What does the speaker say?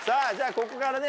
ここからね